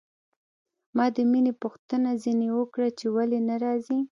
ما د مينې پوښتنه ځنې وکړه چې ولې نه راځي.